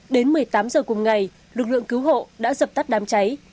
đến một mươi tám h cùng ngày lực lượng cứu hộ đã dập tắt đám cháy